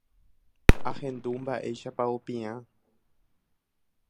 ahendu mba'éichapa opiã